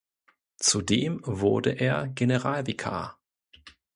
Zudem wurde er Generalvikar.